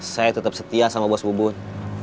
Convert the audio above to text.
saya tetap setia sama bos bubun